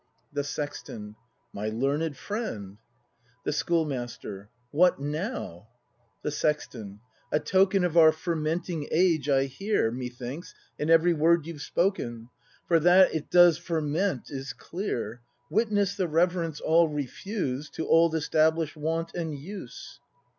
The Sexton. My learned friend ! The Schoolmaster. What now ? The Sexton. A token Of our fermenting age I hear, Methinks, in every word you've spoken; For that it does ferment is clear. Witness the reverence all refuse To old established Wont and Use.